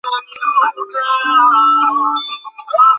ঐ আত্মা নিজের মধ্যে ঐ-সকলের সংস্কার লইয়া গন্তব্যপথে অগ্রসর হইবে।